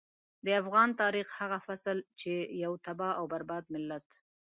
د افغان تاريخ هغه فصل چې يو تباه او برباد ملت.